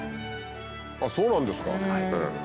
あっそうなんですか。